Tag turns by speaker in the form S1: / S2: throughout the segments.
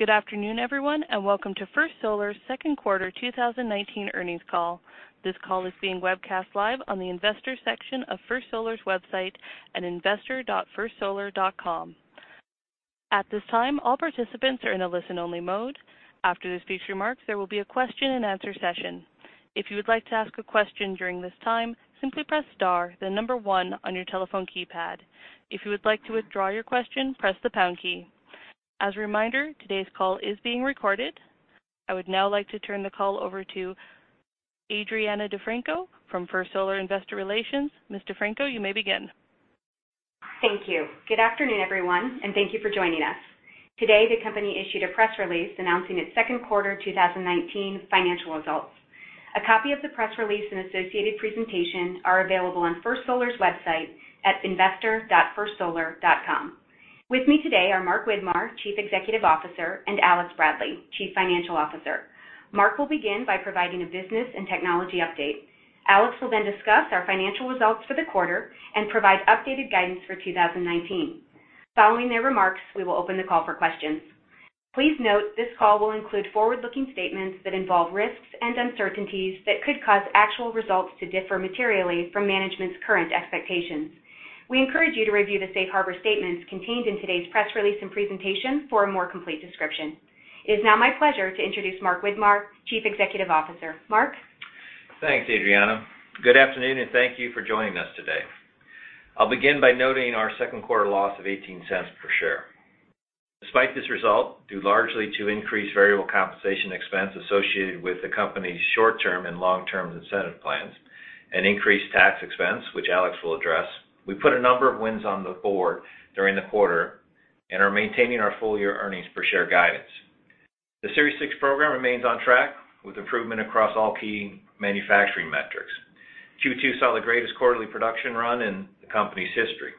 S1: Good afternoon, everyone, and welcome to First Solar's second quarter 2019 earnings call. This call is being webcast live on the investor section of First Solar's website at investor.firstsolar.com. At this time, all participants are in a listen-only mode. After the speech remarks, there will be a question-and-answer session. If you would like to ask a question during this time, simply press star then number one on your telephone keypad. If you would like to withdraw your question, press the pound key. As a reminder, today's call is being recorded. I would now like to turn the call over to Adrianna Defranco from First Solar Investor Relations. Ms. Defranco, you may begin.
S2: Thank you. Good afternoon, everyone, and thank you for joining us. Today, the company issued a press release announcing its second quarter 2019 financial results. A copy of the press release and associated presentation are available on First Solar's website at investor.firstsolar.com. With me today are Mark Widmar, Chief Executive Officer, and Alex Bradley, Chief Financial Officer. Mark will begin by providing a business and technology update. Alex will discuss our financial results for the quarter and provide updated guidance for 2019. Following their remarks, we will open the call for questions. Please note this call will include forward-looking statements that involve risks and uncertainties that could cause actual results to differ materially from management's current expectations. We encourage you to review the safe harbor statements contained in today's press release and presentation for a more complete description. It is now my pleasure to introduce Mark Widmar, Chief Executive Officer. Mark?
S3: Thanks, Adrianna. Good afternoon, thank you for joining us today. I'll begin by noting our second quarter loss of $0.18 per share. Despite this result, due largely to increased variable compensation expense associated with the company's short-term and long-term incentive plans and increased tax expense, which Alex will address, we put a number of wins on the board during the quarter and are maintaining our full-year earnings per share guidance. The Series 6 program remains on track with improvement across all key manufacturing metrics. Q2 saw the greatest quarterly production run in the company's history.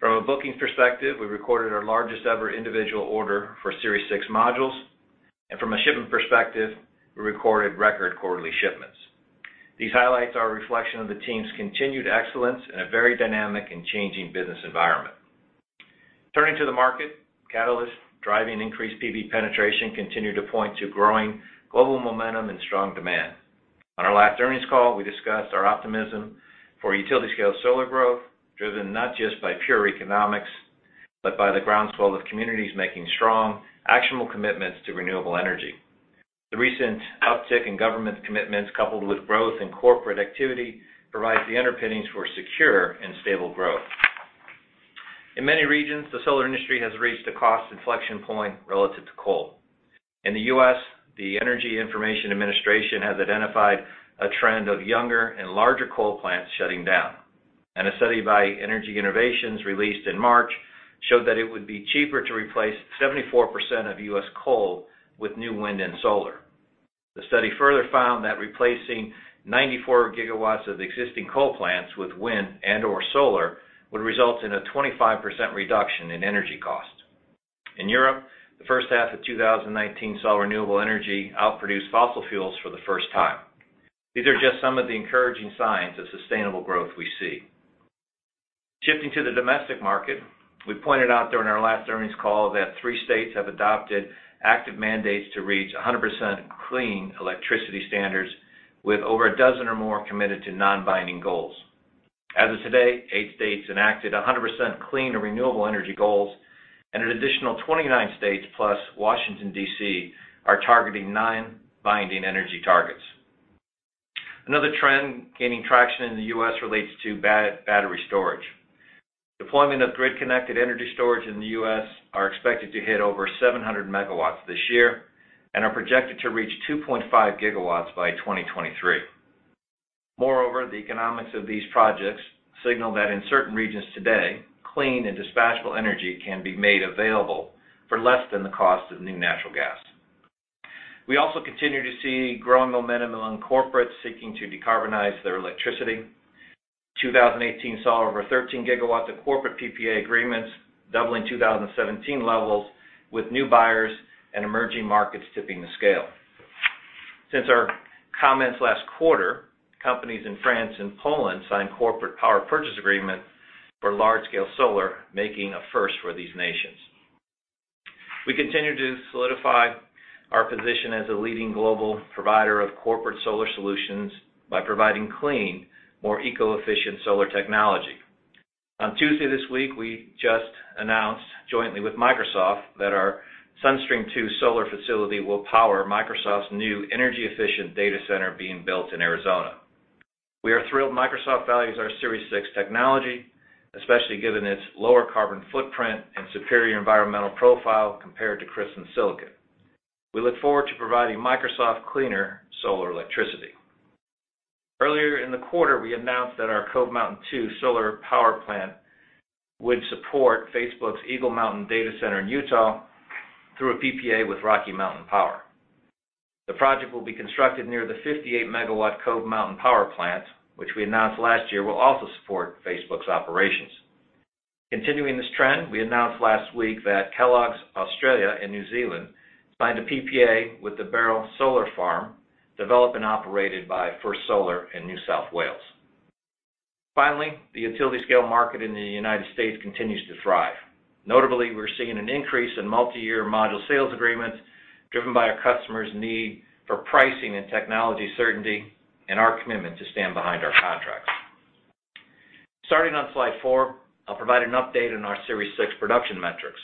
S3: From a booking perspective, we recorded our largest-ever individual order for Series 6 modules, and from a shipping perspective, we recorded record quarterly shipments. These highlights are a reflection of the team's continued excellence in a very dynamic and changing business environment. Turning to the market, catalysts driving increased PV penetration continue to point to growing global momentum and strong demand. On our last earnings call, we discussed our optimism for utility-scale solar growth, driven not just by pure economics, but by the groundswell of communities making strong, actionable commitments to renewable energy. The recent uptick in government commitments, coupled with growth in corporate activity, provides the underpinnings for secure and stable growth. In many regions, the solar industry has reached a cost inflection point relative to coal. In the U.S., the Energy Information Administration has identified a trend of younger and larger coal plants shutting down. A study by Energy Innovations released in March showed that it would be cheaper to replace 74% of U.S. coal with new wind and solar. The study further found that replacing 94 gigawatts of existing coal plants with wind and/or solar would result in a 25% reduction in energy costs. In Europe, the first half of 2019 saw renewable energy outproduce fossil fuels for the first time. These are just some of the encouraging signs of sustainable growth we see. Shifting to the domestic market, we pointed out during our last earnings call that three states have adopted active mandates to reach 100% clean electricity standards with over a dozen or more committed to non-binding goals. As of today, eight states enacted 100% clean or renewable energy goals, and an additional 29 states plus Washington, D.C., are targeting non-binding energy targets. Another trend gaining traction in the U.S. relates to battery storage. Deployment of grid-connected energy storage in the U.S. are expected to hit over 700 MW this year and are projected to reach 2.5 GW by 2023. The economics of these projects signal that in certain regions today, clean and dispatchable energy can be made available for less than the cost of new natural gas. We also continue to see growing momentum among corporates seeking to decarbonize their electricity. 2018 saw over 13 GW of corporate PPA agreements, doubling 2017 levels, with new buyers and emerging markets tipping the scale. Since our comments last quarter, companies in France and Poland signed corporate power purchase agreement for large-scale solar, making a first for these nations. We continue to solidify our position as a leading global provider of corporate solar solutions by providing clean, more eco-efficient solar technology. On Tuesday this week, we just announced jointly with Microsoft that our Sun Streams 2 solar facility will power Microsoft's new energy-efficient data center being built in Arizona. We are thrilled Microsoft values our Series 6 technology, especially given its lower carbon footprint and superior environmental profile compared to crystalline silicon. We look forward to providing Microsoft cleaner solar electricity. Earlier in the quarter, we announced that our Cove Mountain Two solar power plant would support Facebook's Eagle Mountain data center in Utah through a PPA with Rocky Mountain Power. The project will be constructed near the 58 MW Cove Mountain power plant, which we announced last year will also support Facebook's operations. Continuing this trend, we announced last week that Kellogg's Australia and New Zealand signed a PPA with the Beryl Solar Farm, developed and operated by First Solar in New South Wales. Finally, the utility scale market in the U.S. continues to thrive. Notably, we're seeing an increase in multi-year module sales agreements driven by our customers' need for pricing and technology certainty and our commitment to stand behind our contracts. Starting on slide four, I'll provide an update on our Series 6 production metrics.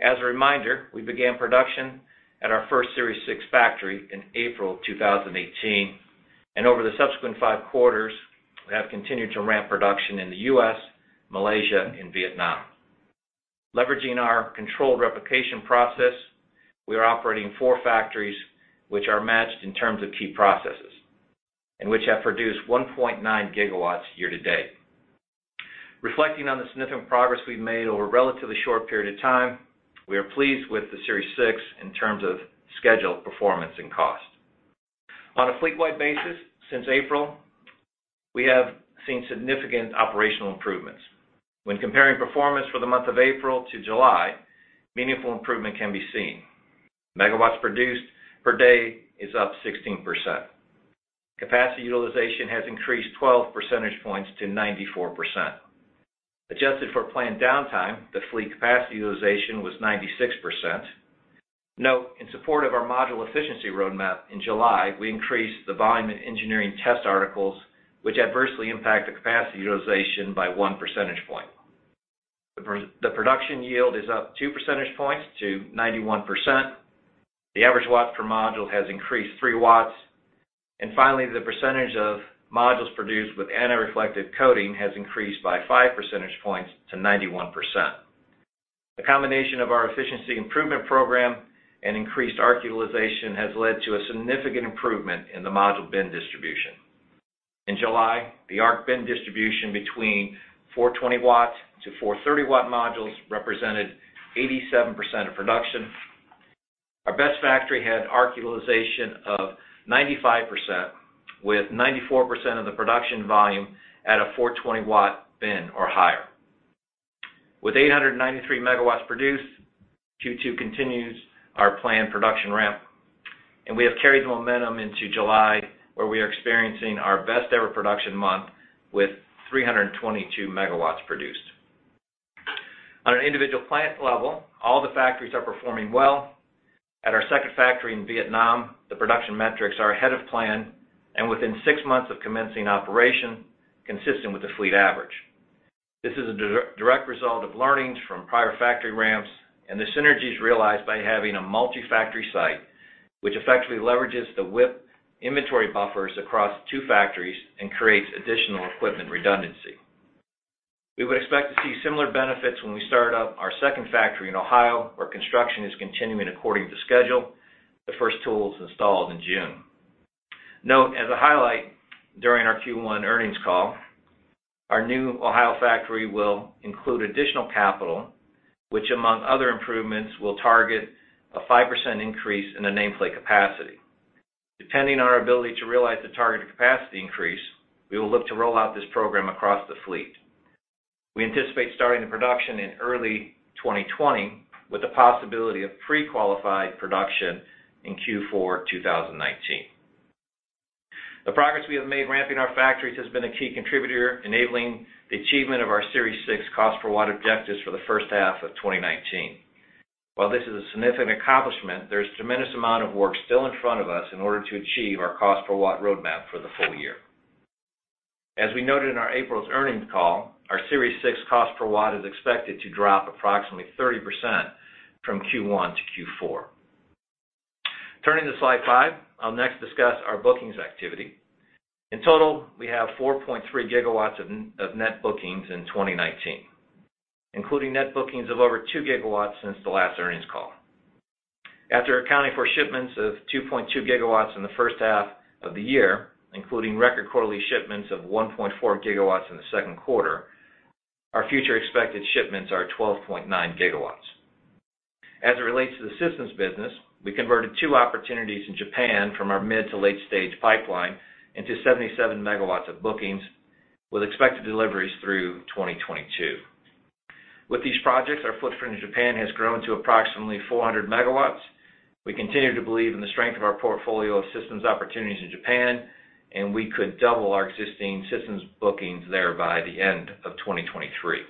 S3: As a reminder, we began production at our first Series 6 factory in April 2018, and over the subsequent 5 quarters, we have continued to ramp production in the U.S., Malaysia, and Vietnam. Leveraging our controlled replication process, we are operating 4 factories which are matched in terms of key processes, and which have produced 1.9 gigawatts year-to-date. Reflecting on the significant progress we've made over a relatively short period of time, we are pleased with the Series 6 in terms of schedule, performance, and cost. On a fleet-wide basis, since April, we have seen significant operational improvements. When comparing performance for the month of April to July, meaningful improvement can be seen. Megawatts produced per day is up 16%. Capacity utilization has increased 12 percentage points to 94%. Adjusted for planned downtime, the fleet capacity utilization was 96%. Note, in support of our module efficiency roadmap in July, we increased the volume in engineering test articles, which adversely impact the capacity utilization by one percentage point. The production yield is up two percentage points to 91%. The average watts per module has increased three watts. Finally, the percentage of modules produced with anti-reflective coating has increased by five percentage points to 91%. The combination of our efficiency improvement program and increased ARC utilization has led to a significant improvement in the module bin distribution. In July, the ARC bin distribution between 420-watt to 430-watt modules represented 87% of production. Our best factory had ARC utilization of 95%, with 94% of the production volume at a 420-watt bin or higher. With 893 megawatts produced, Q2 continues our planned production ramp, and we have carried the momentum into July, where we are experiencing our best-ever production month with 322 megawatts produced. On an individual plant level, all the factories are performing well. At our second factory in Vietnam, the production metrics are ahead of plan and within six months of commencing operation, consistent with the fleet average. This is a direct result of learnings from prior factory ramps and the synergies realized by having a multi-factory site, which effectively leverages the WIP inventory buffers across two factories and creates additional equipment redundancy. We would expect to see similar benefits when we start up our second factory in Ohio, where construction is continuing according to schedule. The first tools installed in June. Note, as a highlight during our Q1 earnings call, our new Ohio factory will include additional capital, which among other improvements, will target a 5% increase in the nameplate capacity. Depending on our ability to realize the targeted capacity increase, we will look to roll out this program across the fleet. We anticipate starting the production in early 2020 with the possibility of pre-qualified production in Q4 2019. The progress we have made ramping our factories has been a key contributor enabling the achievement of our Series 6 cost per watt objectives for the first half of 2019. While this is a significant accomplishment, there's a tremendous amount of work still in front of us in order to achieve our cost per watt roadmap for the full year. As we noted in our April earnings call, our Series 6 cost per watt is expected to drop approximately 30% from Q1 to Q4. Turning to slide five, I'll next discuss our bookings activity. In total, we have 4.3 gigawatts of net bookings in 2019, including net bookings of over two gigawatts since the last earnings call. After accounting for shipments of 2.2 gigawatts in the first half of the year, including record quarterly shipments of 1.4 gigawatts in the second quarter, our future expected shipments are 12.9 gigawatts. As it relates to the systems business, we converted two opportunities in Japan from our mid to late stage pipeline into 77 megawatts of bookings with expected deliveries through 2022. With these projects, our footprint in Japan has grown to approximately 400 megawatts. We continue to believe in the strength of our portfolio of systems opportunities in Japan, we could double our existing systems bookings there by the end of 2023.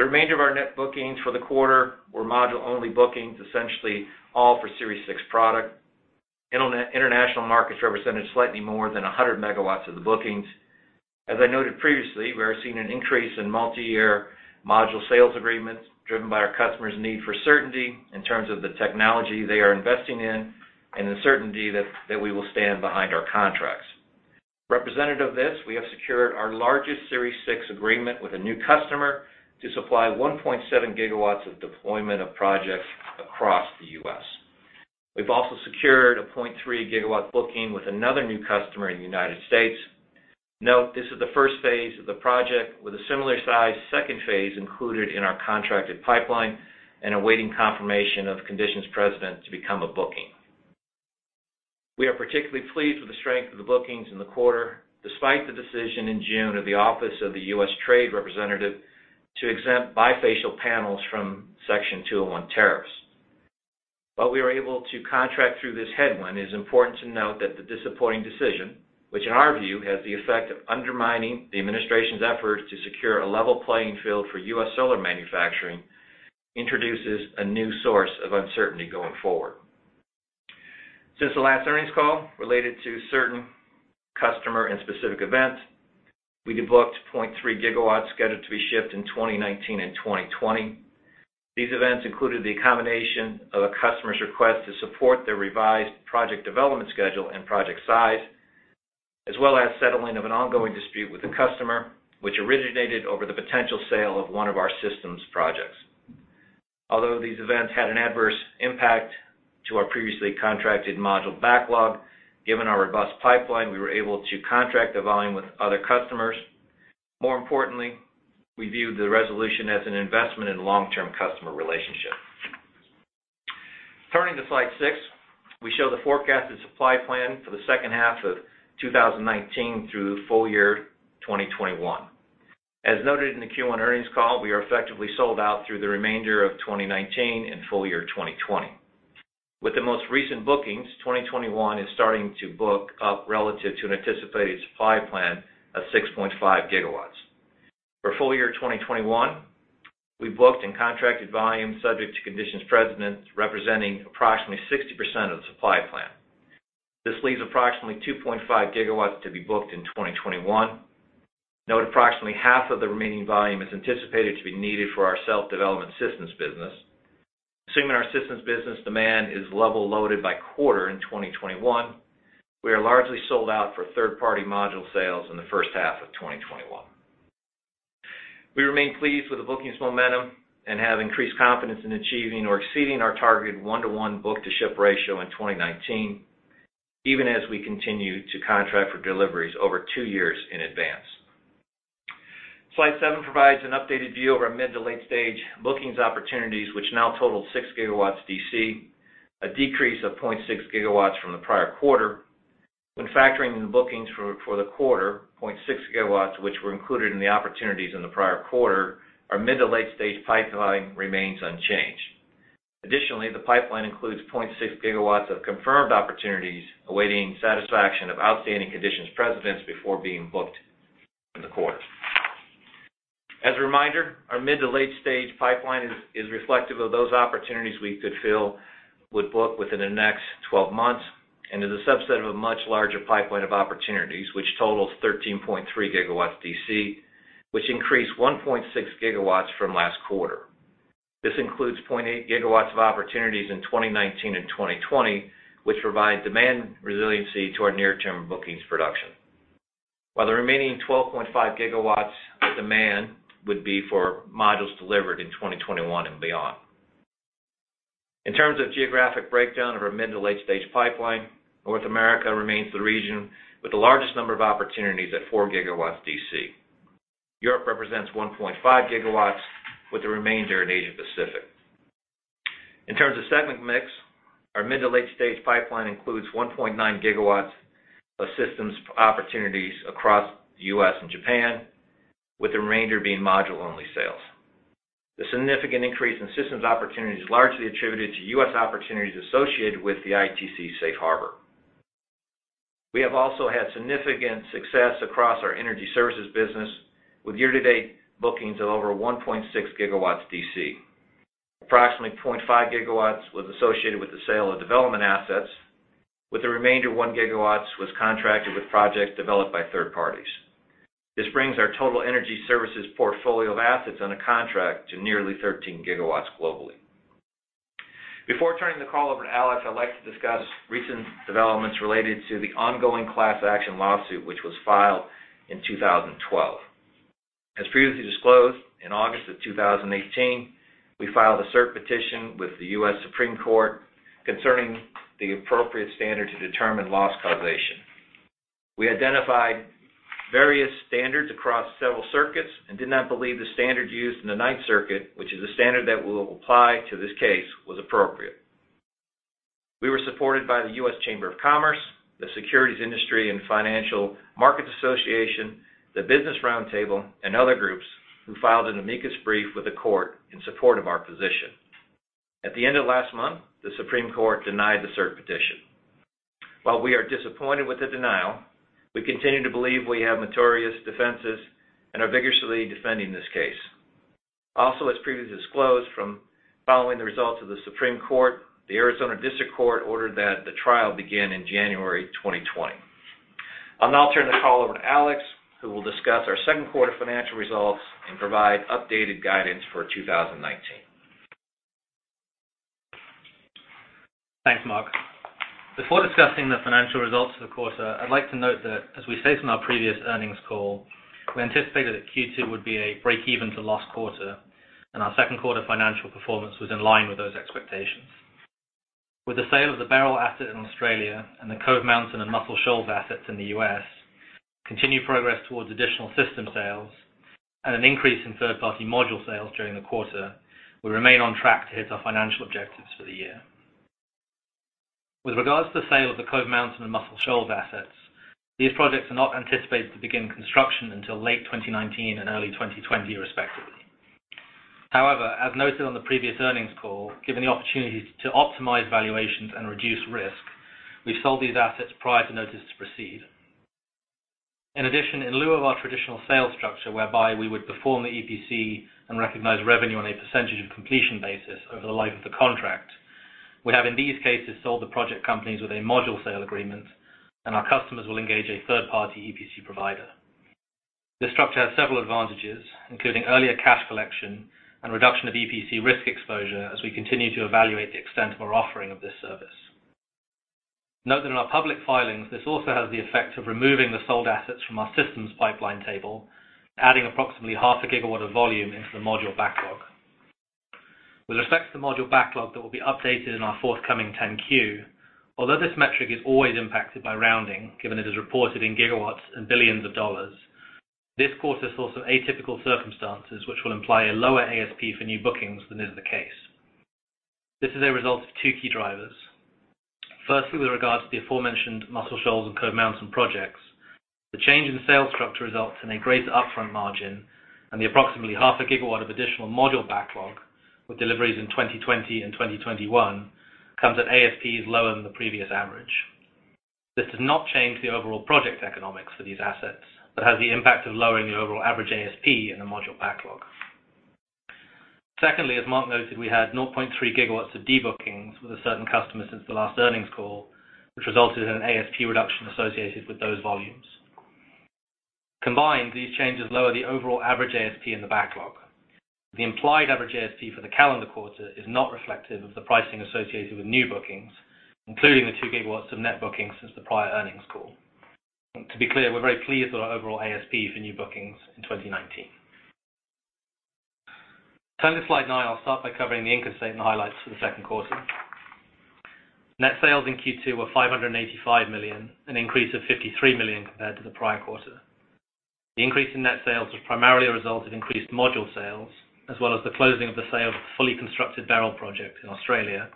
S3: The remainder of our net bookings for the quarter were module-only bookings, essentially all for Series 6 product. International markets represented slightly more than 100 megawatts of the bookings. As I noted previously, we are seeing an increase in multi-year module sales agreements driven by our customers' need for certainty in terms of the technology they are investing in and the certainty that we will stand behind our contracts. Representative of this, we have secured our largest Series 6 agreement with a new customer to supply 1.7 gigawatts of deployment of projects across the U.S. We've also secured a 0.3 gigawatt booking with another new customer in the United States. Note, this is the first phase of the project with a similar size second phase included in our contracted pipeline and awaiting confirmation of conditions precedent to become a booking. We are particularly pleased with the strength of the bookings in the quarter, despite the decision in June of the Office of the U.S. Trade Representative to exempt bifacial panels from Section 201 tariffs. While we were able to contract through this headwind, it is important to note that the disappointing decision, which in our view, has the effect of undermining the administration's efforts to secure a level playing field for U.S. solar manufacturing, introduces a new source of uncertainty going forward. Since the last earnings call related to certain customer and specific events, we debooked 0.3 gigawatts scheduled to be shipped in 2019 and 2020. These events included the accommodation of a customer's request to support their revised project development schedule and project size, as well as settling of an ongoing dispute with a customer, which originated over the potential sale of one of our systems projects. Although these events had an adverse impact to our previously contracted module backlog, given our robust pipeline, we were able to contract the volume with other customers. More importantly, we viewed the resolution as an investment in long-term customer relationships. Turning to slide six, we show the forecasted supply plan for the second half of 2019 through full year 2021. As noted in the Q1 earnings call, we are effectively sold out through the remainder of 2019 and full year 2020. With the most recent bookings, 2021 is starting to book up relative to an anticipated supply plan of 6.5 gigawatts. For full year 2021, we've booked and contracted volume subject to conditions precedents representing approximately 60% of the supply plan. This leaves approximately 2.5 gigawatts to be booked in 2021. Note approximately half of the remaining volume is anticipated to be needed for our self-development systems business. Assuming our systems business demand is level loaded by quarter in 2021, we are largely sold out for third-party module sales in the first half of 2021. We remain pleased with the bookings momentum and have increased confidence in achieving or exceeding our targeted one-to-one book-to-ship ratio in 2019, even as we continue to contract for deliveries over two years in advance. Slide seven provides an updated view of our mid to late-stage bookings opportunities, which now total six gigawatts DC, a decrease of 0.6 gigawatts from the prior quarter. When factoring in the bookings for the quarter, 0.6 gigawatts, which were included in the opportunities in the prior quarter, our mid to late stage pipeline remains unchanged. Additionally, the pipeline includes 0.6 gigawatts of confirmed opportunities awaiting satisfaction of outstanding conditions precedents before being booked in the quarter. As a reminder, our mid to late stage pipeline is reflective of those opportunities we could fill, would book within the next 12 months, and is a subset of a much larger pipeline of opportunities, which totals 13.3 gigawatts DC, which increased 1.6 gigawatts from last quarter. This includes 0.8 gigawatts of opportunities in 2019 and 2020, which provide demand resiliency to our near-term bookings production. The remaining 12.5 gigawatts of demand would be for modules delivered in 2021 and beyond. In terms of geographic breakdown of our mid to late stage pipeline, North America remains the region with the largest number of opportunities at four gigawatts DC. Europe represents 1.5 gigawatts with the remainder in Asia-Pacific. In terms of segment mix, our mid to late stage pipeline includes 1.9 gigawatts of systems opportunities across the U.S. and Japan, with the remainder being module-only sales. The significant increase in systems opportunities is largely attributed to U.S. opportunities associated with the ITC safe harbor. We have also had significant success across our energy services business with year-to-date bookings of over 1.6 gigawatts DC. Approximately 0.5 gigawatts was associated with the sale of development assets, with the remainder one gigawatts was contracted with projects developed by third parties. This brings our total energy services portfolio of assets under contract to nearly 13 gigawatts globally. Before turning the call over to Alex, I'd like to discuss recent developments related to the ongoing class action lawsuit, which was filed in 2012. As previously disclosed, in August of 2018, we filed a cert petition with the U.S. Supreme Court concerning the appropriate standard to determine loss causation. We identified various standards across several circuits and did not believe the standard used in the Ninth Circuit, which is a standard that will apply to this case, was appropriate. We were supported by the U.S. Chamber of Commerce, the Securities Industry and Financial Markets Association, the Business Roundtable, and other groups who filed an amicus brief with the Court in support of our position. At the end of last month, the Supreme Court denied the cert petition. While we are disappointed with the denial, we continue to believe we have meritorious defenses and are vigorously defending this case. As previously disclosed from following the results of the Supreme Court, the Arizona District Court ordered that the trial begin in January 2020. I'll now turn the call over to Alex, who will discuss our second quarter financial results and provide updated guidance for 2019.
S4: Thanks, Mark. Before discussing the financial results for the quarter, I'd like to note that as we stated on our previous earnings call, we anticipated that Q2 would be a breakeven to last quarter, and our second quarter financial performance was in line with those expectations. With the sale of the Beryl asset in Australia and the Cove Mountain and Muscle Shoals assets in the U.S., continued progress towards additional system sales, and an increase in third-party module sales during the quarter, we remain on track to hit our financial objectives for the year. With regards to the sale of the Cove Mountain and Muscle Shoals assets, these projects are not anticipated to begin construction until late 2019 and early 2020, respectively. As noted on the previous earnings call, given the opportunities to optimize valuations and reduce risk, we sold these assets prior to notice to proceed. In addition, in lieu of our traditional sales structure, whereby we would perform the EPC and recognize revenue on a percentage of completion basis over the life of the contract, we have, in these cases, sold the project companies with a module sale agreement, and our customers will engage a third-party EPC provider. This structure has several advantages, including earlier cash collection and reduction of EPC risk exposure as we continue to evaluate the extent of our offering of this service. Note that in our public filings, this also has the effect of removing the sold assets from our systems pipeline table, adding approximately half a gigawatt of volume into the module backlog. With respect to the module backlog that will be updated in our forthcoming 10-Q, although this metric is always impacted by rounding, given it is reported in gigawatts and billions of dollars, this quarter saw some atypical circumstances which will imply a lower ASP for new bookings than is the case. This is a result of two key drivers. Firstly, with regards to the aforementioned Muscle Shoals and Cove Mountain projects, the change in the sales structure results in a greater upfront margin and the approximately half a gigawatt of additional module backlog, with deliveries in 2020 and 2021, comes at ASPs lower than the previous average. This does not change the overall project economics for these assets, but has the impact of lowering the overall average ASP in the module backlog. Secondly, as Mark noted, we had 0.3 gigawatts of debookings with a certain customer since the last earnings call, which resulted in an ASP reduction associated with those volumes. Combined, these changes lower the overall average ASP in the backlog. The implied average ASP for the calendar quarter is not reflective of the pricing associated with new bookings, including the two gigawatts of net bookings since the prior earnings call. To be clear, we're very pleased with our overall ASP for new bookings in 2019. Turning to slide nine, I'll start by covering the income statement highlights for the second quarter. Net sales in Q2 were $585 million, an increase of $53 million compared to the prior quarter. The increase in net sales was primarily a result of increased module sales, as well as the closing of the sale of the fully constructed Beryl project in Australia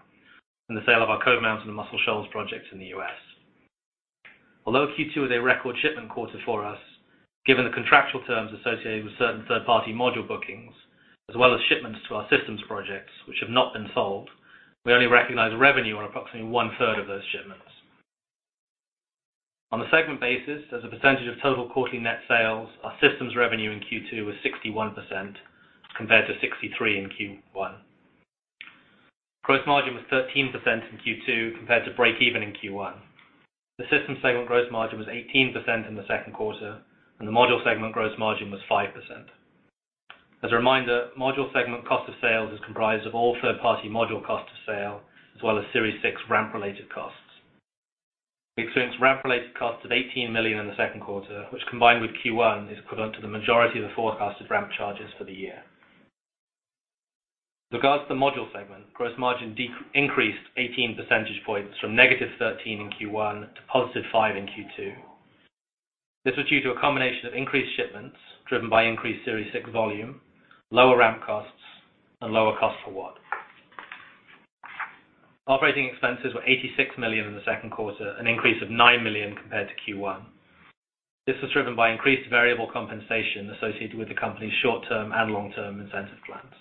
S4: and the sale of our Cove Mountain and Muscle Shoals projects in the U.S. Although Q2 was a record shipment quarter for us, given the contractual terms associated with certain third-party module bookings, as well as shipments to our systems projects which have not been sold, we only recognized revenue on approximately one-third of those shipments. On a segment basis, as a percentage of total quarterly net sales, our systems revenue in Q2 was 61% compared to 63% in Q1. Gross margin was 13% in Q2 compared to break even in Q1. The systems segment gross margin was 18% in the second quarter, and the module segment gross margin was 5%. As a reminder, module segment cost of sales is comprised of all third-party module cost of sale, as well as Series 6 ramp-related costs. We experienced ramp-related costs of $18 million in the second quarter, which combined with Q1, is equivalent to the majority of the forecasted ramp charges for the year. With regards to the module segment, gross margin increased 18 percentage points from negative 13% in Q1 to positive 5% in Q2. This was due to a combination of increased shipments driven by increased Series 6 volume, lower ramp costs, and lower cost per watt. Operating expenses were $86 million in the second quarter, an increase of $9 million compared to Q1. This was driven by increased variable compensation associated with the company's short-term and long-term incentive plans.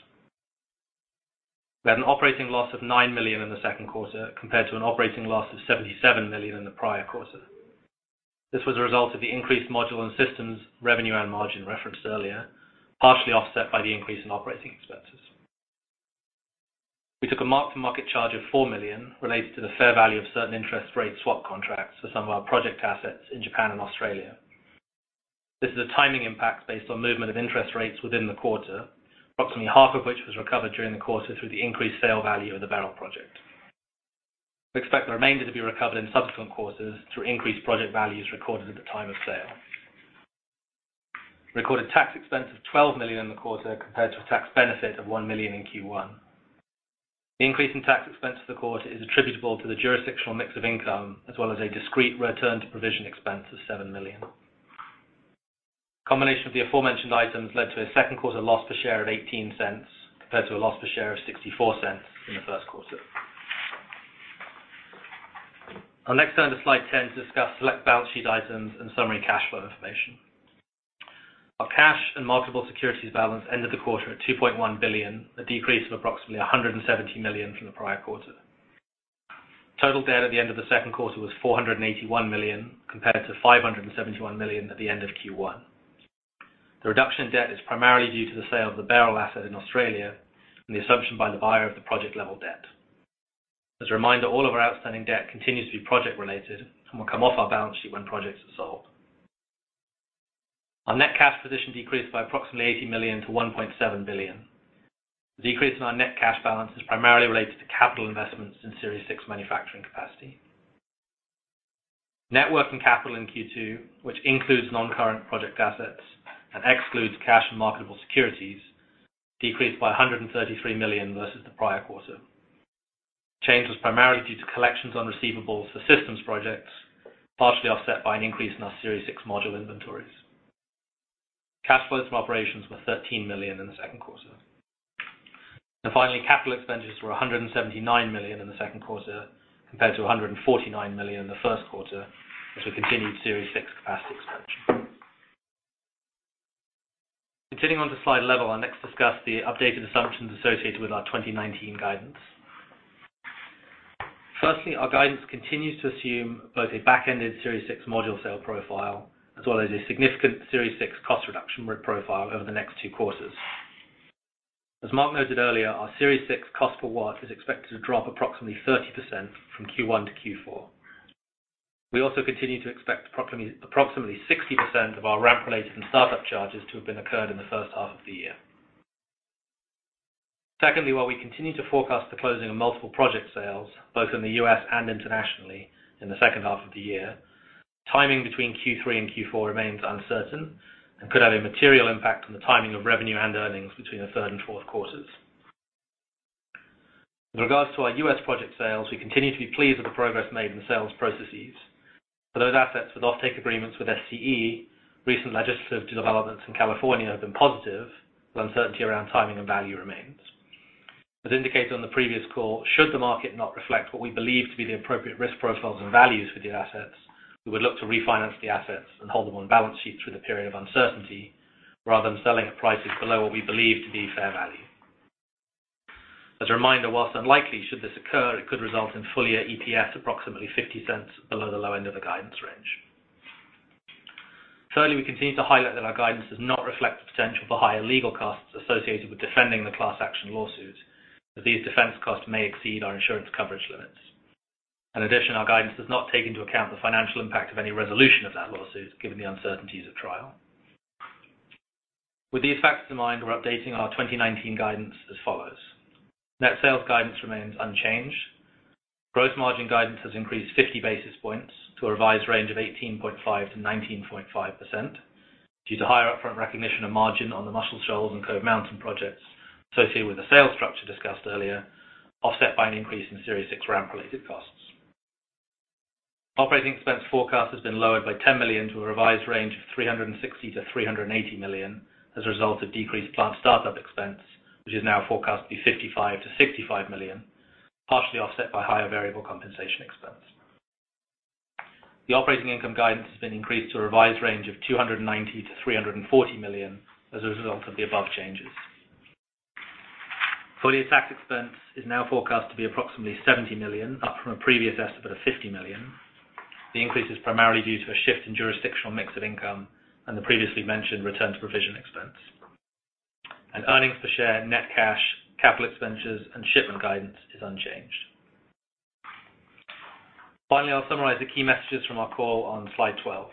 S4: We had an operating loss of $9 million in the second quarter compared to an operating loss of $77 million in the prior quarter. This was a result of the increased module and systems revenue and margin referenced earlier, partially offset by the increase in operating expenses. We took a mark-to-market charge of $4 million related to the fair value of certain interest rate swap contracts for some of our project assets in Japan and Australia. This is a timing impact based on movement of interest rates within the quarter, approximately half of which was recovered during the quarter through the increased sale value of the Beryl project. We expect the remainder to be recovered in subsequent quarters through increased project values recorded at the time of sale. We recorded tax expense of $12 million in the quarter compared to a tax benefit of $1 million in Q1. The increase in tax expense for the quarter is attributable to the jurisdictional mix of income, as well as a discrete return to provision expense of $7 million. Combination of the aforementioned items led to a second quarter loss per share of $0.18, compared to a loss per share of $0.64 in the first quarter. I'll next turn to slide 10 to discuss select balance sheet items and summary cash flow information. Our cash and marketable securities balance ended the quarter at $2.1 billion, a decrease of approximately $170 million from the prior quarter. Total debt at the end of the second quarter was $481 million, compared to $571 million at the end of Q1. The reduction in debt is primarily due to the sale of the Beryl asset in Australia and the assumption by the buyer of the project-level debt. As a reminder, all of our outstanding debt continues to be project-related and will come off our balance sheet when projects are sold. Our net cash position decreased by approximately $80 million to $1.7 billion. The decrease in our net cash balance is primarily related to capital investments in Series 6 manufacturing capacity. Net working capital in Q2, which includes non-current project assets and excludes cash and marketable securities, decreased by $133 million versus the prior quarter. Change was primarily due to collections on receivables for systems projects, partially offset by an increase in our Series 6 module inventories. Cash flows from operations were $13 million in the second quarter. Finally, capital expenditures were $179 million in the second quarter compared to $149 million in the first quarter, which we continued Series 6 capacity expansion. Continuing on to slide 11, I'll next discuss the updated assumptions associated with our 2019 guidance. Our guidance continues to assume both a back-ended Series 6 module sale profile as well as a significant Series 6 cost reduction profile over the next two quarters. As Mark noted earlier, our Series 6 cost per watt is expected to drop approximately 30% from Q1 to Q4. We also continue to expect approximately 60% of our ramp-related and startup charges to have been occurred in the first half of the year. While we continue to forecast the closing of multiple project sales, both in the U.S. and internationally in the second half of the year, timing between Q3 and Q4 remains uncertain and could have a material impact on the timing of revenue and earnings between the third and fourth quarters. In regards to our U.S. project sales, we continue to be pleased with the progress made in the sales processes. For those assets with offtake agreements with SCE, recent legislative developments in California have been positive, but uncertainty around timing and value remains. As indicated on the previous call, should the market not reflect what we believe to be the appropriate risk profiles and values for the assets, we would look to refinance the assets and hold them on balance sheets through the period of uncertainty, rather than selling at prices below what we believe to be fair value. As a reminder, whilst unlikely, should this occur, it could result in full-year EPS approximately $0.50 below the low end of the guidance range. Thirdly, we continue to highlight that our guidance does not reflect the potential for higher legal costs associated with defending the class action lawsuit, as these defense costs may exceed our insurance coverage limits. In addition, our guidance does not take into account the financial impact of any resolution of that lawsuit, given the uncertainties at trial. With these facts in mind, we're updating our 2019 guidance as follows. Net sales guidance remains unchanged. Gross margin guidance has increased 50 basis points to a revised range of 18.5%-19.5%, due to higher upfront recognition of margin on the Muscle Shoals and Cove Mountain projects associated with the sales structure discussed earlier, offset by an increase in Series 6 ramp-related costs. Operating expense forecast has been lowered by $10 million to a revised range of $360 million-$380 million as a result of decreased plant startup expense, which is now forecast to be $55 million-$65 million, partially offset by higher variable compensation expense. The operating income guidance has been increased to a revised range of $290 million-$340 million as a result of the above changes. Full-year tax expense is now forecast to be approximately $70 million, up from a previous estimate of $50 million. The increase is primarily due to a shift in jurisdictional mix of income and the previously mentioned return to provision expense. Earnings per share, net cash, capital expenditures, and shipment guidance is unchanged. Finally, I'll summarize the key messages from our call on slide 12.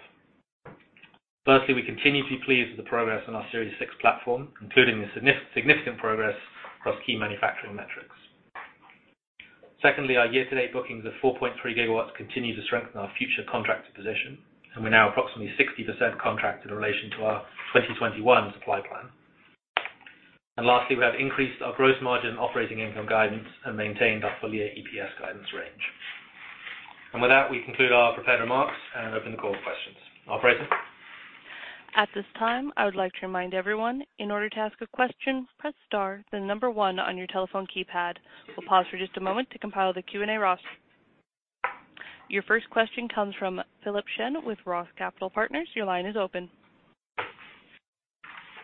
S4: Firstly, we continue to be pleased with the progress on our Series 6 platform, including the significant progress across key manufacturing metrics. Secondly, our year-to-date bookings of 4.3 gigawatts continue to strengthen our future contracted position, and we're now approximately 60% contracted in relation to our 2021 supply plan. Lastly, we have increased our gross margin operating income guidance and maintained our full-year EPS guidance range. With that, we conclude our prepared remarks and open the call for questions. Operator?
S1: At this time, I would like to remind everyone, in order to ask a question, press star then the number one on your telephone keypad. We'll pause for just a moment to compile the Q&A roster. Your first question comes from Philip Shen with ROTH Capital Partners. Your line is open.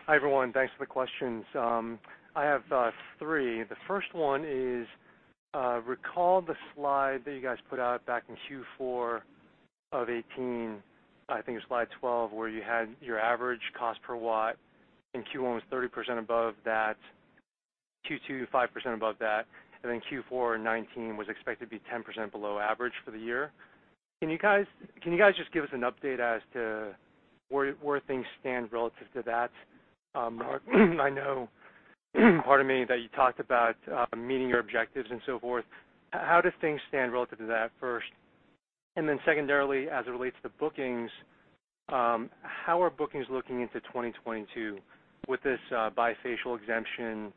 S5: Hi, everyone. Thanks for the questions. I have three. The first one is, recall the slide that you guys put out back in Q4 of 2018, I think it was slide 12, where you had your average cost per watt in Q1 was 30% above that, Q2 5% above that, and then Q4 2019 was expected to be 10% below average for the year. Can you guys just give us an update as to where things stand relative to that? Mark, I know part of me that you talked about meeting your objectives and so forth. How do things stand relative to that first? Secondarily, as it relates to bookings, how are bookings looking into 2022 with this bifacial exemption?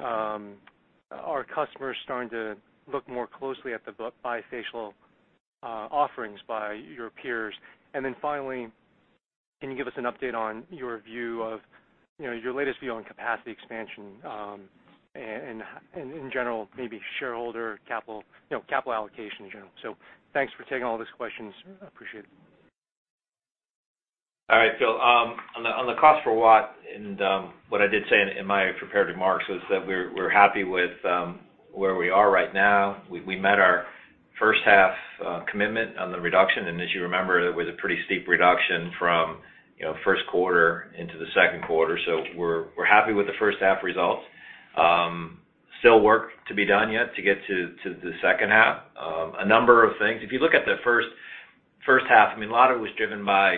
S5: Are customers starting to look more closely at the bifacial offerings by your peers? Finally, can you give us an update on your latest view on capacity expansion, and in general, maybe shareholder capital allocation in general? Thanks for taking all these questions. Appreciate it.
S3: All right, Phil. On the cost per watt and what I did say in my prepared remarks was that we're happy with where we are right now. We met our first half commitment on the reduction, and as you remember, it was a pretty steep reduction from first quarter into the second quarter. We're happy with the first half results. Still work to be done yet to get to the second half. A number of things. If you look at the first half, I mean, a lot of it was driven by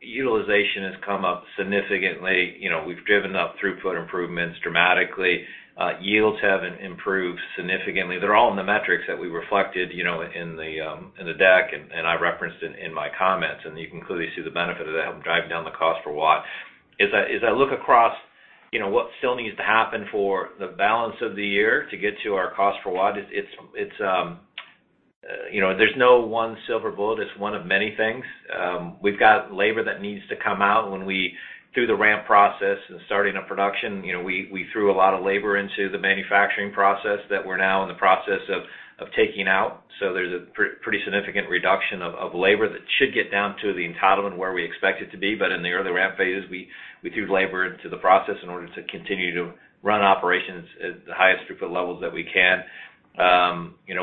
S3: utilization has come up significantly. We've driven up throughput improvements dramatically. Yields have improved significantly. They're all in the metrics that we reflected in the deck, and I referenced in my comments, and you can clearly see the benefit of that helping drive down the cost per watt. As I look across what still needs to happen for the balance of the year to get to our cost per watt, it's. There's no one silver bullet. It's one of many things. We've got labor that needs to come out when we, through the ramp process and starting up production, we threw a lot of labor into the manufacturing process that we're now in the process of taking out. There's a pretty significant reduction of labor that should get down to the entitlement where we expect it to be. In the early ramp phases, we threw labor into the process in order to continue to run operations at the highest throughput levels that we can.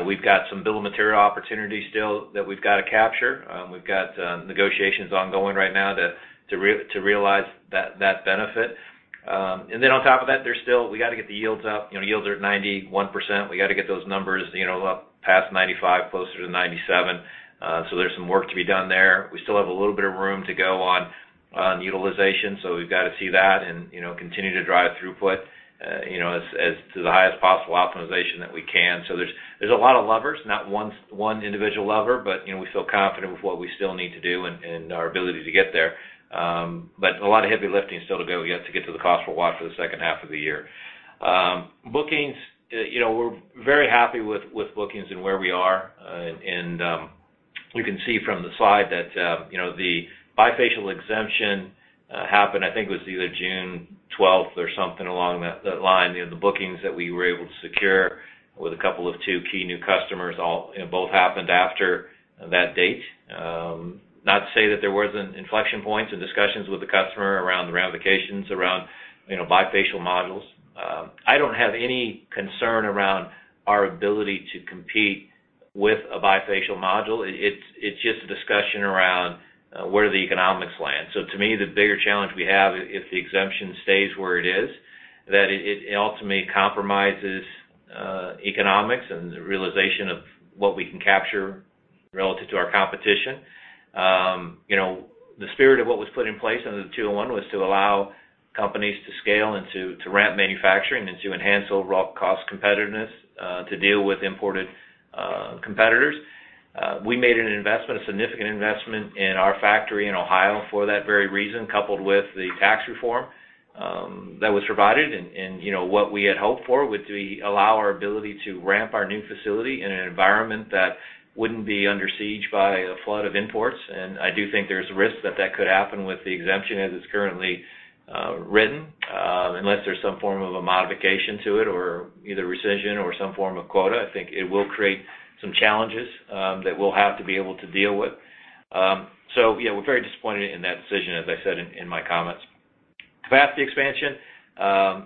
S3: We've got some bill of material opportunities still that we've got to capture. We've got negotiations ongoing right now to realize that benefit. On top of that, we've got to get the yields up. Yields are at 91%. We got to get those numbers up past 95, closer to 97. There's some work to be done there. We still have a little bit of room to go on utilization. We've got to see that and continue to drive throughput to the highest possible optimization that we can. There's a lot of levers, not one individual lever, but we feel confident with what we still need to do and our ability to get there. A lot of heavy lifting still to go. We have to get to the cost per watt for the second half of the year. Bookings, we're very happy with bookings and where we are. You can see from the slide that the bifacial exemption happened, I think it was either June 12th or something along that line. The bookings that we were able to secure with a couple of two key new customers, both happened after that date. Not to say that there wasn't inflection points and discussions with the customer around the ramifications around bifacial modules. I don't have any concern around our ability to compete with a bifacial module. It's just a discussion around where the economics land. To me, the bigger challenge we have, if the exemption stays where it is, that it ultimately compromises economics and the realization of what we can capture relative to our competition. The spirit of what was put in place under the 201 was to allow companies to scale and to ramp manufacturing and to enhance overall cost competitiveness to deal with imported competitors. We made an investment, a significant investment, in our factory in Ohio for that very reason, coupled with the tax reform that was provided. What we had hoped for would allow our ability to ramp our new facility in an environment that wouldn't be under siege by a flood of imports. I do think there's a risk that that could happen with the exemption as it's currently written. Unless there's some form of a modification to it, or either rescission or some form of quota, I think it will create some challenges that we'll have to be able to deal with. Yeah, we're very disappointed in that decision, as I said in my comments. Capacity expansion.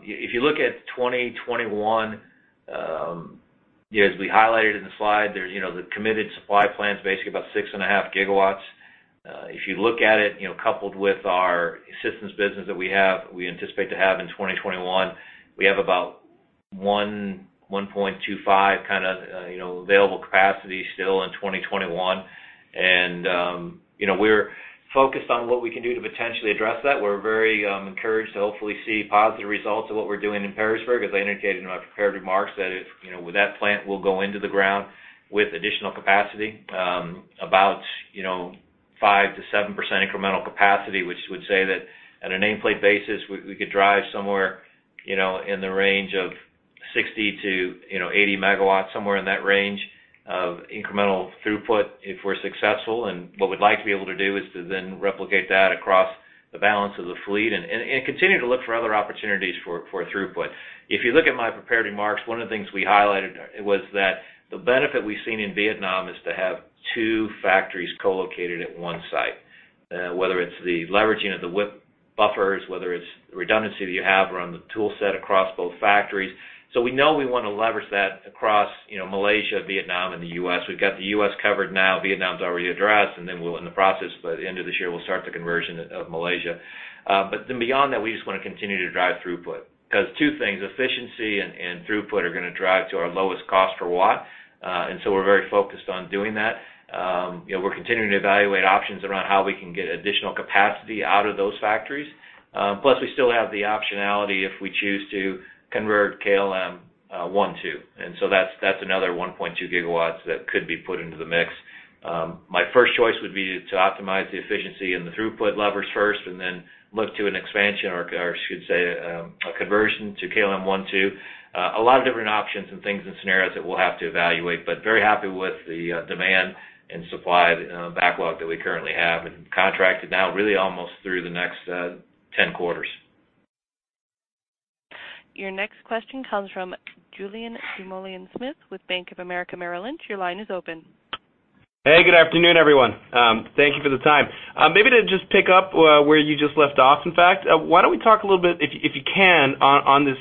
S3: If you look at 2021, as we highlighted in the slide, the committed supply plan is basically about 6.5 GW. If you look at it, coupled with our systems business that we anticipate to have in 2021, we have about 1.25 available capacity still in 2021. We're focused on what we can do to potentially address that. We're very encouraged to hopefully see positive results of what we're doing in Perrysburg, as I indicated in my prepared remarks. That plant will go into the ground with additional capacity, about 5%-7% incremental capacity, which would say that at a nameplate basis, we could drive somewhere in the range of 60-80 MW, somewhere in that range of incremental throughput if we're successful. What we'd like to be able to do is to then replicate that across the balance of the fleet and continue to look for other opportunities for throughput. If you look at my prepared remarks, one of the things we highlighted was that the benefit we've seen in Vietnam is to have two factories co-located at one site. Whether it's the leveraging of the WIP buffers, whether it's the redundancy that you have around the tool set across both factories. We know we want to leverage that across Malaysia, Vietnam, and the U.S. We've got the U.S. covered now, Vietnam's already addressed, we'll, in the process by the end of this year, we'll start the conversion of Malaysia. Beyond that, we just want to continue to drive throughput. Because two things, efficiency and throughput are going to drive to our lowest cost per watt. We're very focused on doing that. We're continuing to evaluate options around how we can get additional capacity out of those factories. Plus, we still have the optionality if we choose to convert KLM 1.2. That's another 1.2 GW that could be put into the mix. My first choice would be to optimize the efficiency and the throughput levers first and then look to an expansion or I should say, a conversion to KLM 1.2. A lot of different options and things and scenarios that we'll have to evaluate, but very happy with the demand and supply backlog that we currently have and contracted now really almost through the next 10 quarters.
S1: Your next question comes from Julien Dumoulin-Smith with Bank of America Merrill Lynch. Your line is open.
S6: Hey, good afternoon, everyone. Thank you for the time. Maybe to just pick up where you just left off, in fact, why don't we talk a little bit, if you can, on this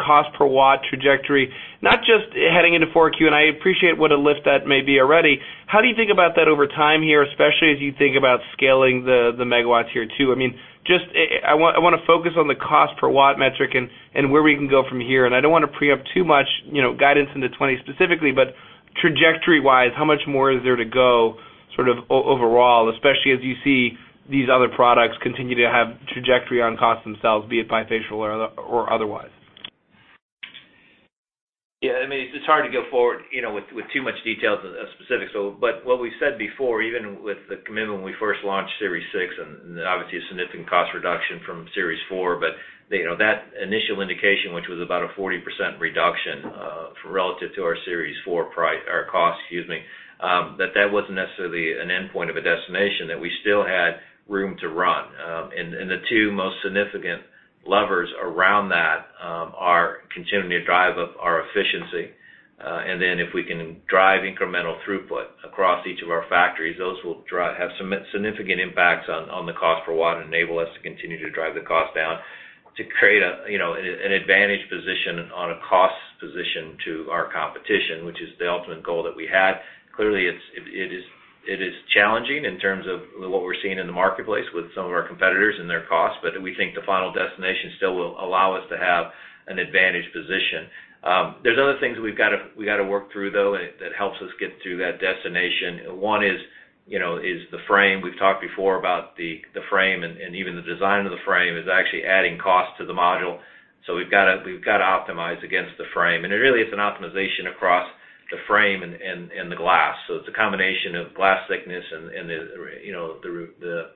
S6: cost per watt trajectory, not just heading into 4Q, and I appreciate what a lift that may be already. How do you think about that over time here, especially as you think about scaling the megawatts here too? I want to focus on the cost per watt metric and where we can go from here, and I don't want to pre-up too much guidance into 2020 specifically, but trajectory-wise, how much more is there to go sort of overall, especially as you see these other products continue to have trajectory on cost themselves, be it bifacial or otherwise?
S3: I mean, it's hard to go forward with too much details and specifics. What we've said before, even with the commitment when we first launched Series 6, and obviously a significant cost reduction from Series 4, that initial indication, which was about a 40% reduction relative to our Series 4 cost, that wasn't necessarily an endpoint of a destination, that we still had room to run. The two most significant levers around that are continuing to drive up our efficiency. If we can drive incremental throughput across each of our factories, those will have significant impacts on the cost per watt, enable us to continue to drive the cost down to create an advantage position on a cost position to our competition, which is the ultimate goal that we had. It is challenging in terms of what we're seeing in the marketplace with some of our competitors and their costs, we think the final destination still will allow us to have an advantage position. There's other things we've got to work through, though, that helps us get to that destination. One is the frame. We've talked before about the frame, even the design of the frame is actually adding cost to the module. We've got to optimize against the frame. It really is an optimization across the frame and the glass. It's a combination of glass thickness and the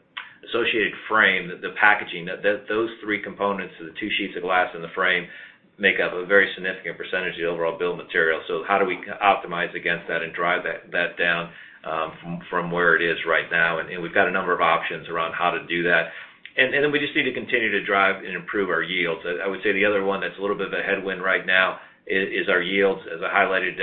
S3: associated frame, the packaging. Those three components, the two sheets of glass and the frame, make up a very significant percentage of the overall bill of material. How do we optimize against that and drive that down from where it is right now? We've got a number of options around how to do that. We just need to continue to drive and improve our yields. I would say the other one that's a little bit of a headwind right now is our yields. As I highlighted,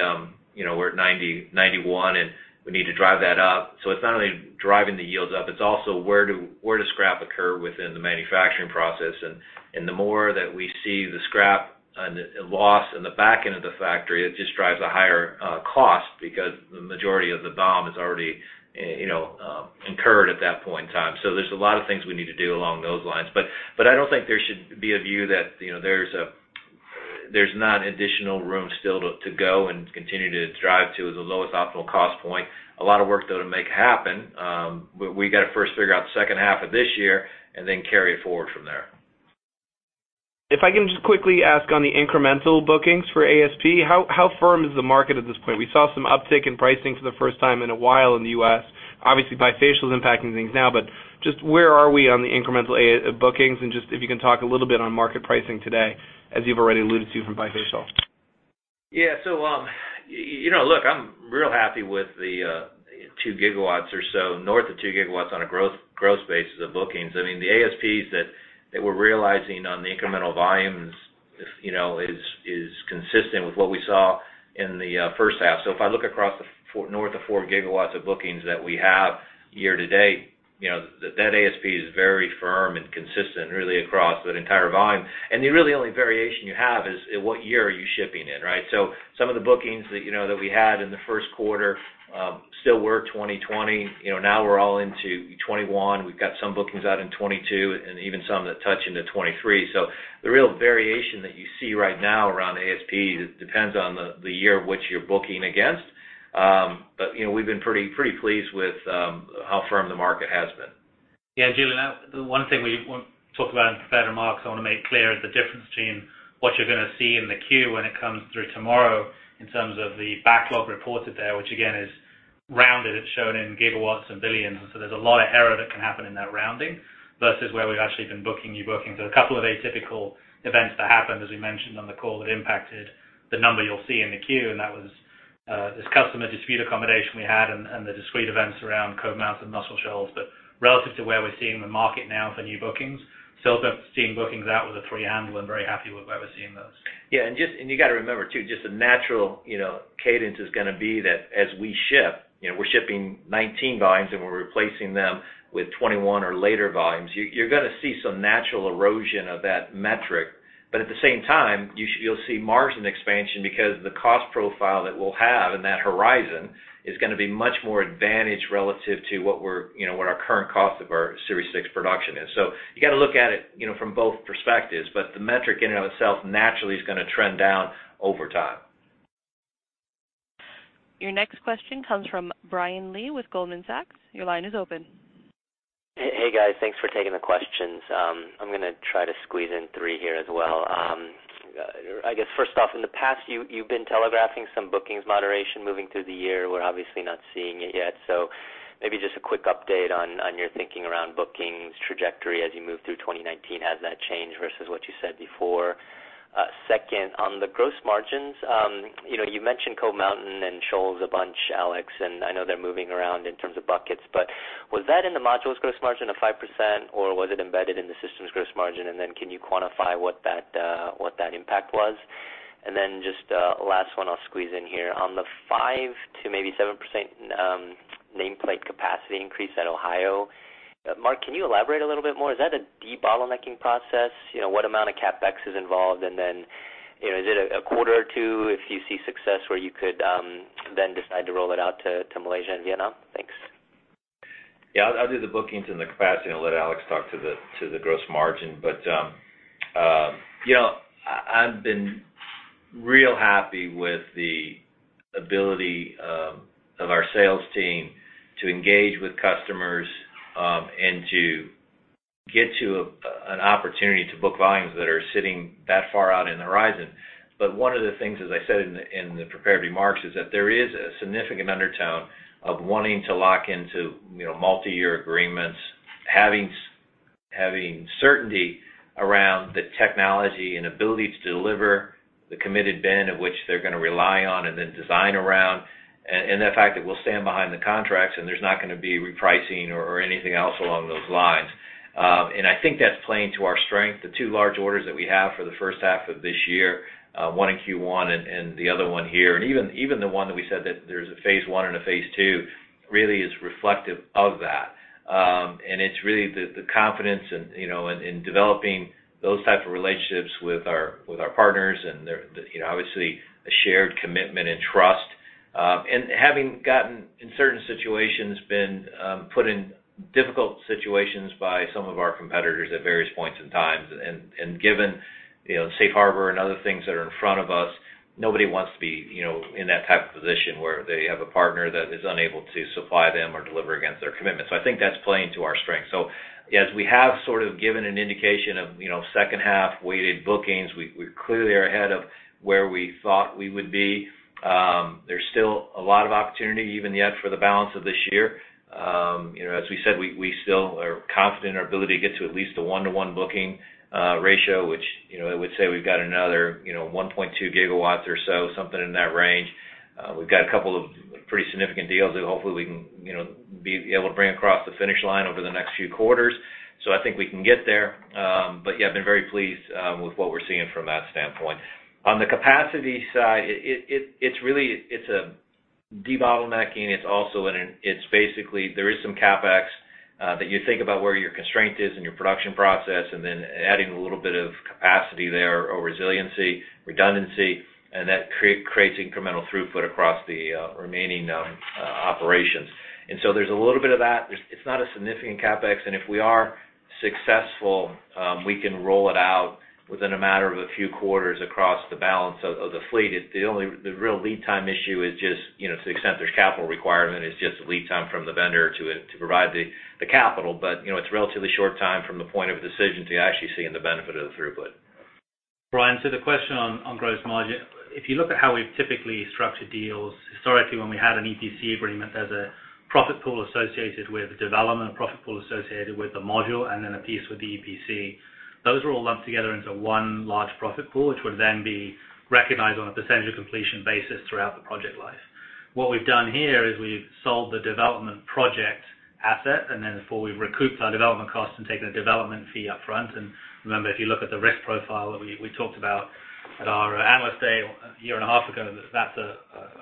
S3: we're at 90, 91, and we need to drive that up. It's not only driving the yields up, it's also where does scrap occur within the manufacturing process. The more that we see the scrap and the loss in the back end of the factory, it just drives a higher cost because the majority of the BOM is already incurred at that point in time. There's a lot of things we need to do along those lines. I don't think there should be a view that there's not additional room still to go and continue to drive to the lowest optimal cost point. A lot of work, though, to make happen. We got to first figure out the second half of this year and then carry it forward from there.
S6: If I can just quickly ask on the incremental bookings for ASP, how firm is the market at this point? We saw some uptick in pricing for the first time in a while in the U.S. Obviously, bifacial is impacting things now, just where are we on the incremental bookings? Just if you can talk a little bit on market pricing today, as you've already alluded to from bifacial.
S3: Yeah. Look, I'm real happy with the 2 gigawatts or so, north of 2 gigawatts on a growth basis of bookings. I mean, the ASPs that we're realizing on the incremental volumes is consistent with what we saw in the first half. If I look across the north of 4 gigawatts of bookings that we have year to date, that ASP is very firm and consistent really across that entire volume. The really only variation you have is what year are you shipping in, right? Some of the bookings that we had in the first quarter still were 2020. Now we're all into 2021. We've got some bookings out in 2022, and even some that touch into 2023. The real variation that you see right now around ASP depends on the year which you're booking against. We've been pretty pleased with how firm the market has been.
S4: Yeah, Julien, one thing we won't talk about in prepared remarks, I want to make clear is the difference between what you're going to see in the 10-Q when it comes through tomorrow in terms of the backlog reported there, which again is rounded, it's shown in gigawatts and $ billions. There's a lot of error that can happen in that rounding versus where we've actually been booking new bookings. There's a couple of atypical events that happened, as we mentioned on the call, that impacted the number you'll see in the 10-Q, and that was this customer dispute accommodation we had and the discrete events around Cove Mountain and Muscle Shoals. Relative to where we're seeing the market now for new bookings, still seeing bookings out with a three-handle and very happy with where we're seeing those.
S3: Yeah, you got to remember too, just the natural cadence is going to be that as we ship, we're shipping 2019 volumes and we're replacing them with 2021 or later volumes. You're going to see some natural erosion of that metric. At the same time, you'll see margin expansion because the cost profile that we'll have in that horizon is going to be much more advantaged relative to what our current cost of our Series 6 production is. You got to look at it from both perspectives, but the metric in and of itself naturally is going to trend down over time.
S1: Your next question comes from Brian Lee with Goldman Sachs. Your line is open.
S7: Hey, guys. Thanks for taking the questions. I'm going to try to squeeze in three here as well. I guess first off, in the past, you've been telegraphing some bookings moderation moving through the year. We're obviously not seeing it yet. Maybe just a quick update on your thinking around bookings trajectory as you move through 2019. Has that changed versus what you said before? Second, on the gross margins, you mentioned Cove Mountain and Shoals a bunch, Alex, and I know they're moving around in terms of buckets. Was that in the modules gross margin of 5%, or was it embedded in the systems gross margin? Can you quantify what that impact was? Just last one I'll squeeze in here. On the 5%-7% nameplate capacity increase at Ohio, Mark, can you elaborate a little bit more? Is that a de-bottlenecking process? What amount of CapEx is involved? Then, is it a quarter or two if you see success where you could then decide to roll it out to Malaysia and Vietnam? Thanks.
S3: Yeah, I'll do the bookings and the capacity and I'll let Alex talk to the gross margin. I've been real happy with the ability of our sales team to engage with customers, and to get to an opportunity to book volumes that are sitting that far out in the horizon. One of the things, as I said in the prepared remarks, is that there is a significant undertone of wanting to lock into multi-year agreements, having certainty around the technology and ability to deliver the committed bin at which they're going to rely on and then design around. The fact that we'll stand behind the contracts, and there's not going to be repricing or anything else along those lines. I think that's playing to our strength. The two large orders that we have for the first half of this year, one in Q1 and the other one here, even the one that we said that there's a phase 1 and a phase 2 really is reflective of that. It's really the confidence in developing those types of relationships with our partners and obviously, a shared commitment and trust. Having gotten, in certain situations, been put in difficult situations by some of our competitors at various points in times. Given safe harbor and other things that are in front of us, nobody wants to be in that type of position where they have a partner that is unable to supply them or deliver against their commitments. I think that's playing to our strength. As we have sort of given an indication of second half weighted bookings, we clearly are ahead of where we thought we would be. There's still a lot of opportunity even yet for the balance of this year. As we said, we still are confident in our ability to get to at least a one-to-one booking ratio, which I would say we've got another 1.2 gigawatts or so, something in that range. We've got a couple of pretty significant deals that hopefully we can be able to bring across the finish line over the next few quarters. I think we can get there. Yeah, I've been very pleased with what we're seeing from that standpoint. On the capacity side, it's a debottlenecking. It's basically there is some CapEx that you think about where your constraint is in your production process, and then adding a little bit of capacity there, or resiliency, redundancy, and that creates incremental throughput across the remaining operations. There's a little bit of that. It's not a significant CapEx, and if we are successful, we can roll it out within a matter of a few quarters across the balance of the fleet. The real lead time issue is just to the extent there's capital requirement, is just the lead time from the vendor to provide the capital. It's a relatively short time from the point of decision to actually seeing the benefit of the throughput.
S4: Brian, the question on gross margin, if you look at how we've typically structured deals, historically when we had an EPC agreement, there's a profit pool associated with development, a profit pool associated with the module, and then a piece with the EPC. Those are all lumped together into one large profit pool, which would then be recognized on a percentage of completion basis throughout the project life. What we've done here is we've sold the development project asset, before we've recouped our development cost and taken a development fee up front. Remember, if you look at the risk profile that we talked about at our analyst day a year and a half ago, that's a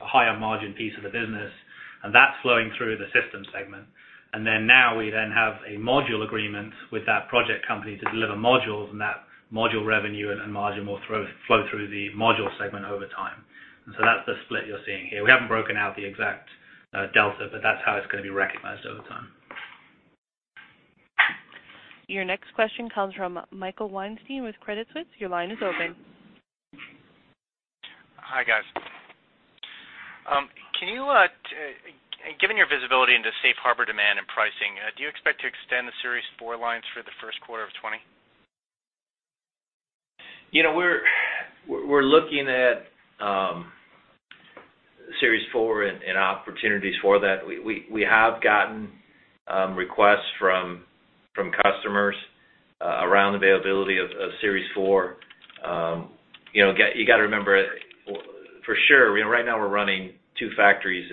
S4: higher margin piece of the business. That's flowing through the system segment. Now we then have a module agreement with that project company to deliver modules, and that module revenue and margin will flow through the Module Segment over time. That's the split you're seeing here. We haven't broken out the exact delta, but that's how it's going to be recognized over time.
S1: Your next question comes from Michael Weinstein with Credit Suisse. Your line is open.
S8: Hi, guys. Given your visibility into safe harbor demand and pricing, do you expect to extend the Series 4 lines for the first quarter of 2020?
S3: We're looking at Series 4 and opportunities for that. We have gotten requests from customers around availability of Series 4. You've got to remember, for sure, right now we're running two factories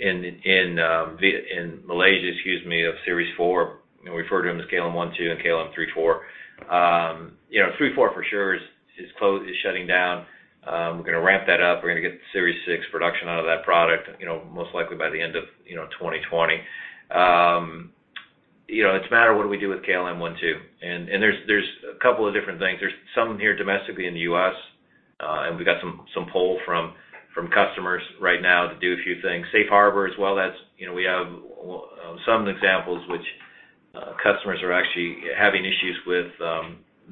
S3: in Malaysia, excuse me, of Series 4. We refer to them as KLM 1, 2 and KLM 3, 4. Three, four for sure is shutting down. We're going to ramp that up. We're going to get Series 6 production out of that product, most likely by the end of 2020. It's a matter of what do we do with KLM 1, 2. There's a couple of different things. There's some here domestically in the U.S., and we've got some pull from customers right now to do a few things. Safe harbor as well, we have some examples which customers are actually having issues with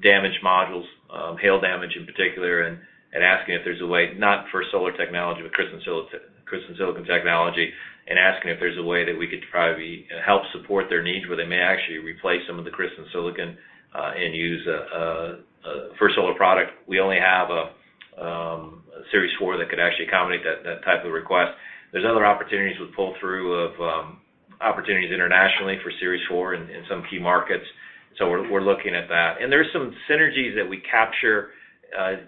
S3: damaged modules, hail damage in particular, and asking if there's a way, not for solar technology, but crystalline silicon technology, and asking if there's a way that we could try to help support their needs where they may actually replace some of the crystalline silicon and use a First Solar product. We only have a Series 4 that could actually accommodate that type of request. There's other opportunities with pull-through of opportunities internationally for Series 4 in some key markets. We're looking at that. There's some synergies that we capture.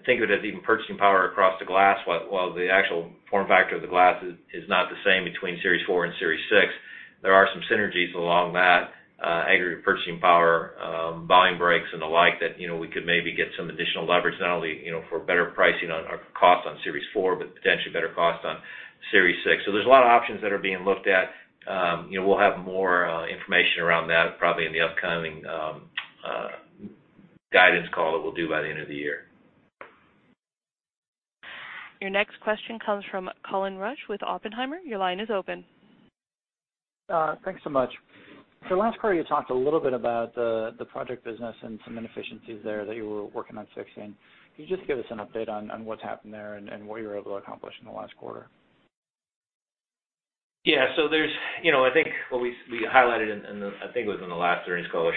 S3: Think of it as even purchasing power across the glass. While the actual form factor of the glass is not the same between Series 4 and Series 6, there are some synergies along that aggregate purchasing power, volume breaks, and the like that we could maybe get some additional leverage, not only for better pricing on our cost on Series 4, but potentially better cost on Series 6. There's a lot of options that are being looked at. We'll have more information around that probably in the upcoming guidance call that we'll do by the end of the year.
S1: Your next question comes from Colin Rusch with Oppenheimer. Your line is open.
S9: Thanks so much. Last quarter, you talked a little bit about the project business and some inefficiencies there that you were working on fixing. Can you just give us an update on what's happened there and what you were able to accomplish in the last quarter?
S3: I think what we highlighted, I think it was in the last earnings call or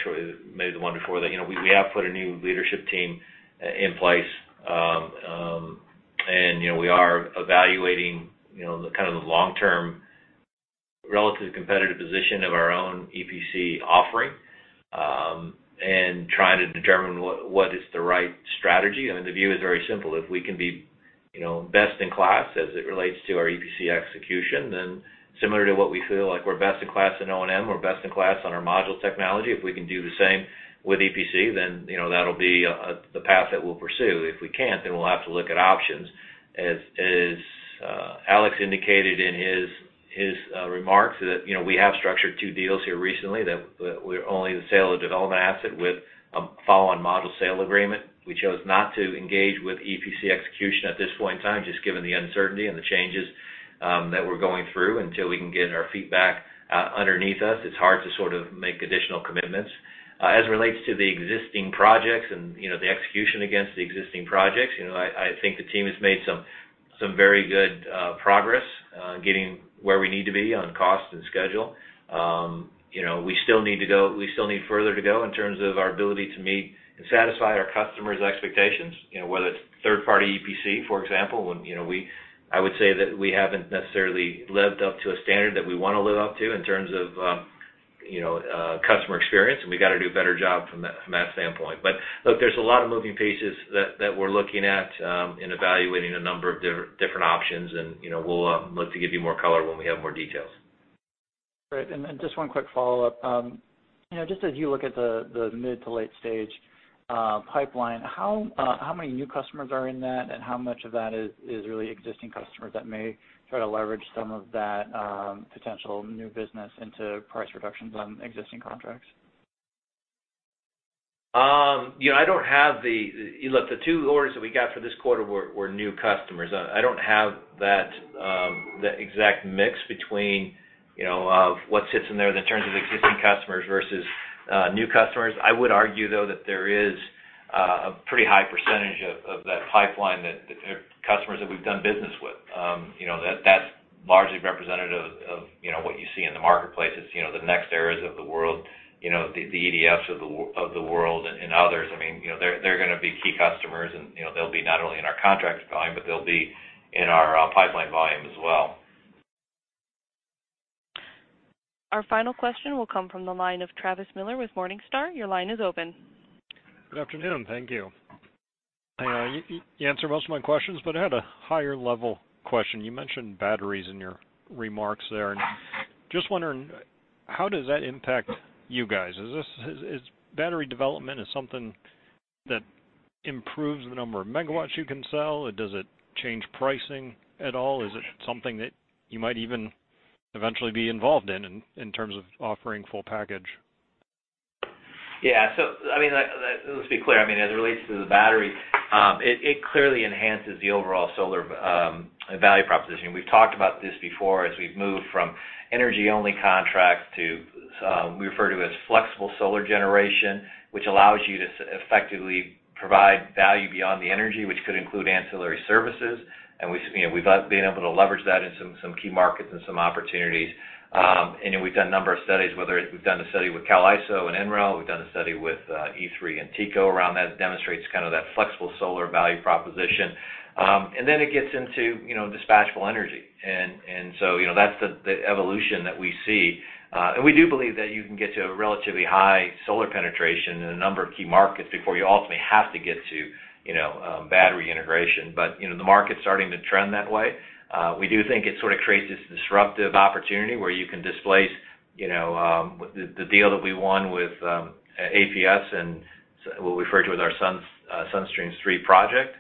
S3: maybe the one before that, we have put a new leadership team in place. We are evaluating the long-term relative competitive position of our own EPC offering, and trying to determine what is the right strategy. The view is very simple. If we can be best in class as it relates to our EPC execution, then similar to what we feel like we're best in class in O&M, we're best in class on our module technology, if we can do the same with EPC, then that'll be the path that we'll pursue. If we can't, then we'll have to look at options. As Alex indicated in his remarks, that we have structured two deals here recently that were only the sale of development asset with a follow-on module sale agreement. We chose not to engage with EPC execution at this point in time, just given the uncertainty and the changes that we're going through. Until we can get our feet back underneath us, it's hard to make additional commitments. As it relates to the existing projects and the execution against the existing projects, I think the team has made some very good progress getting where we need to be on cost and schedule. We still need further to go in terms of our ability to meet and satisfy our customers' expectations, whether it's third-party EPC, for example. I would say that we haven't necessarily lived up to a standard that we want to live up to in terms of customer experience, and we've got to do a better job from that standpoint. Look, there's a lot of moving pieces that we're looking at and evaluating a number of different options. We'll look to give you more color when we have more details.
S9: Great. Just one quick follow-up. Just as you look at the mid to late stage pipeline, how many new customers are in that and how much of that is really existing customers that may try to leverage some of that potential new business into price reductions on existing contracts?
S3: Look, the two orders that we got for this quarter were new customers. I don't have that exact mix between what sits in there in terms of existing customers versus new customers. I would argue, though, that there is a pretty high percentage of that pipeline that they're customers that we've done business with. That's largely representative of what you see in the marketplace. It's the NextEra of the world, the EDF of the world, and others. They're going to be key customers, they'll be not only in our contracts volume, but they'll be in our pipeline volume as well.
S1: Our final question will come from the line of Travis Miller with Morningstar. Your line is open.
S10: Good afternoon. Thank you. You answered most of my questions, but I had a higher-level question. You mentioned batteries in your remarks there. Just wondering, how does that impact you guys? Is battery development something that improves the number of megawatts you can sell? Does it change pricing at all? Is it something that you might even eventually be involved in terms of offering full package?
S3: Let's be clear. As it relates to the battery, it clearly enhances the overall solar value proposition. We've talked about this before as we've moved from energy-only contracts to what we refer to as flexible solar generation, which allows you to effectively provide value beyond the energy, which could include ancillary services. We've been able to leverage that in some key markets and some opportunities. We've done a number of studies, whether it's we've done a study with CAISO and NREL, we've done a study with E3 and TECO around that demonstrates kind of that flexible solar value proposition. Then it gets into dispatchable energy. That's the evolution that we see. We do believe that you can get to a relatively high solar penetration in a number of key markets before you ultimately have to get to battery integration. The market's starting to trend that way. We do think it sort of creates this disruptive opportunity where you can displace the deal that we won with APS and what we refer to as our Sun Streams 3 project.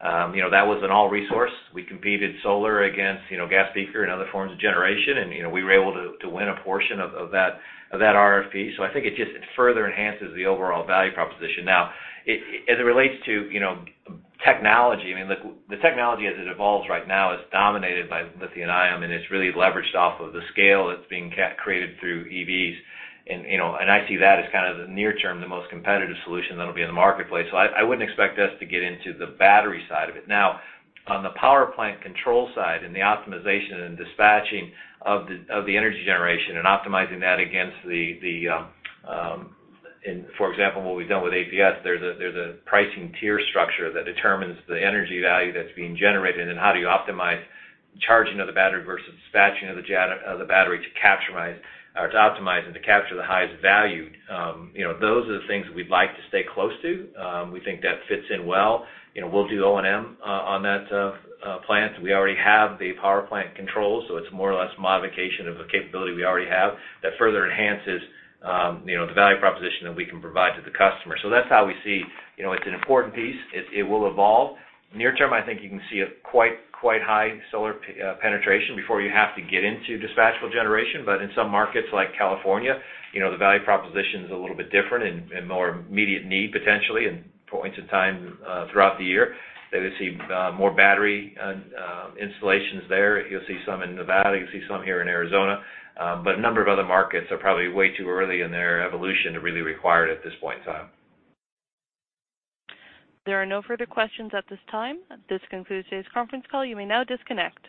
S3: That was an all-resource. We competed solar against gas peaker and other forms of generation, and we were able to win a portion of that RFP. I think it just further enhances the overall value proposition. As it relates to technology, the technology as it evolves right now is dominated by lithium-ion, and it's really leveraged off of the scale that's being created through EVs. I see that as kind of the near term, the most competitive solution that'll be in the marketplace. I wouldn't expect us to get into the battery side of it. On the power plant control side and the optimization and dispatching of the energy generation and optimizing that against the, for example, what we've done with APS, there's a pricing tier structure that determines the energy value that's being generated and how do you optimize charging of the battery versus dispatching of the battery to optimize and to capture the highest value. Those are the things that we'd like to stay close to. We think that fits in well. We'll do O&M on that plant. We already have the power plant controls, so it's more or less modification of a capability we already have that further enhances the value proposition that we can provide to the customer. That's how we see it's an important piece. It will evolve. Near term, I think you can see a quite high solar penetration before you have to get into dispatchable generation. In some markets like California, the value proposition is a little bit different and more immediate need, potentially, in points in time throughout the year that you see more battery installations there. You'll see some in Nevada, you'll see some here in Arizona. A number of other markets are probably way too early in their evolution to really require it at this point in time.
S1: There are no further questions at this time. This concludes today's conference call. You may now disconnect.